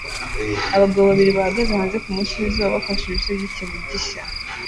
Abagabo babiri bahagaze hanze kumunsi wizuba bafashe ibice byikintu gishya